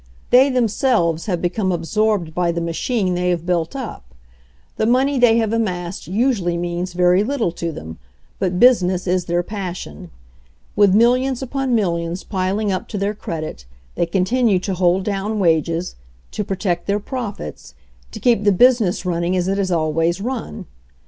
They themselves have become absorbed by the machine they have built up. The money they have amassed usually means very little to them, but business is their passion. With millions upon millions piling up to their credit, they continue to hold down wages, to pro tect their profits, to keep the business running as it has always run.